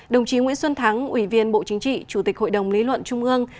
đồng chí nguyễn xuân thắng ủy viên bộ chính trị chủ tịch hội đồng lý luận trung ương